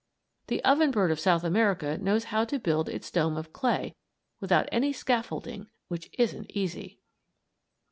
The oven bird of South America knows how to build its dome of clay without any scaffolding, which isn't easy.